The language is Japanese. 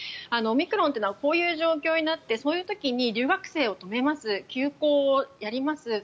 オミクロンというのはこういう状況になってそういう時に留学生を止めます休校をやめます